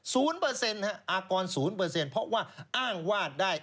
๐ครับอากร๐เพราะว่าอ้างวาดได้